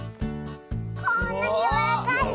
こんなにやわらかいよ。